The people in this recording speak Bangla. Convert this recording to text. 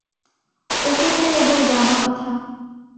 ওকে পেলে বলবে আমার কথা।